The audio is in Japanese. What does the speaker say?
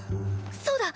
そうだ！